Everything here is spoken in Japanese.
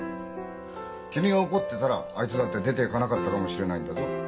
君が怒ってたらあいつだって出ていかなかったかもしれないんだぞ。